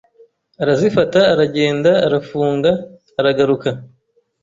Arazifata, aragenda arafunga. Aragaruka